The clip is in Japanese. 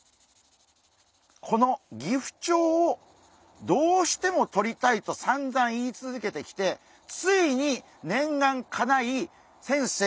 このギフチョウをどうしてもとりたいとさんざん言い続けてきてついに念願かない先生